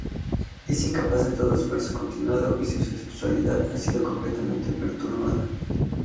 Es incapaz de todo esfuerzo continuado y su sexualidad ha sido completamente perturbada.